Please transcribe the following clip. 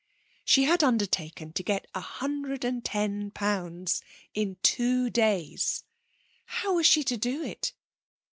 She had undertaken to get a hundred and ten pounds in two days. How was she to do it?